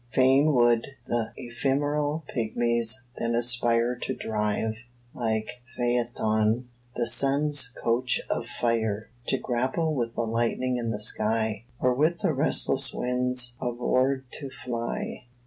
"Fain would th' ephemeral pigmies then aspire To drive, like Phäethon, the sun's coach of fire, To grapple with the lightning in the sky, Or with the restless winds abroad to fly.